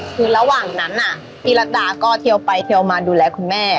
คือระหว่างนั้นพี่รัฐดาก็เทียวไปเทียวมาดูแลคุณแม่